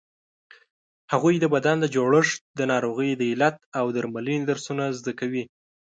هغوی د بدن د جوړښت، د ناروغیو د علت او درملنې درسونه زده کوي.